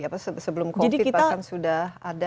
apa sebelum covid bahkan sudah ada